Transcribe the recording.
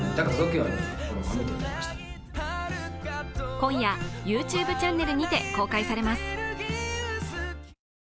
今夜、ＹｏｕＴｕｂｅチャンネルにて公開されます。